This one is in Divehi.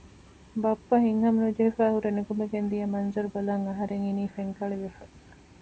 ބައްޕަ ހިތްހަމަނުޖެހިފައިހުރެ ނުކުމެގެންދިޔަ މަންޒަރު ބަލަން އަހަރެން އިނީ ފެންކަޅިވެފަ